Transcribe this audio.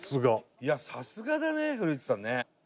いやさすがだね古市さんね。